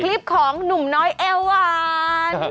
คลิปของหนุ่มน้อยแอลวาน